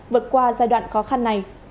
vượt qua giai đoạn khó khăn này